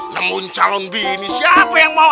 namun calon bini siapa yang mau